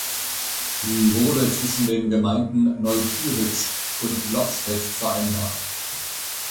Sie wurde zwischen den Gemeinden Neukieritzsch und Lobstädt vereinbart.